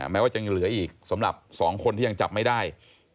แม้ว่าจะยังเหลืออีกสำหรับ๒คนที่ยังจับไม่ได้